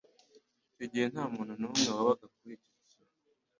Icyo gihe nta muntu n'umwe wabaga kuri icyo kirwa.